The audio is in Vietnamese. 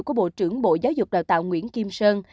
của bộ trưởng bộ giáo dục đào tạo nguyễn kim sơn